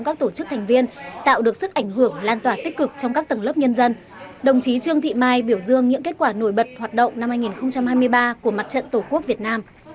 chính trí trương thị mai biểu dương những kết quả nổi bật hoạt động năm hai nghìn hai mươi ba của mặt trận tổ quốc việt nam